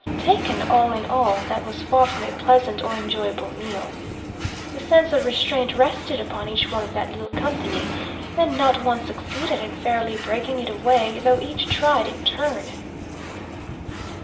Taken all in all, that was far from a pleasant or enjoyable meal. A sense of restraint rested upon each one of that little company, and not one succeeded in fairly breaking it away, though each tried in turn.